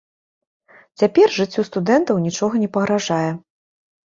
Цяпер жыццю студэнтаў нічога не пагражае.